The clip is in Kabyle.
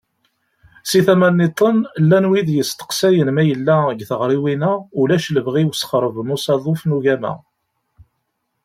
Si tama-nniḍen, llan wid yettmesteqsayen ma yella deg tiɣriwin-a ulac lebɣi i usexreb n usaḍuf n ugama.